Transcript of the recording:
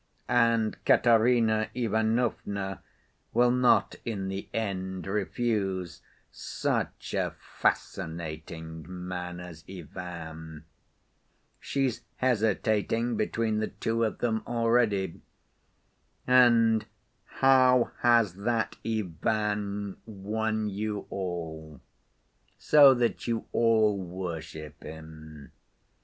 And Katerina Ivanovna will not in the end refuse such a fascinating man as Ivan. She's hesitating between the two of them already. And how has that Ivan won you all, so that you all worship him?